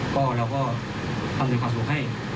ก็เราก็อำนวยความสุขให้